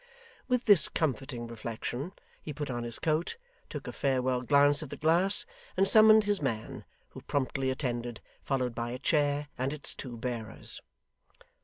With this comforting reflection, he put on his coat, took a farewell glance at the glass, and summoned his man, who promptly attended, followed by a chair and its two bearers.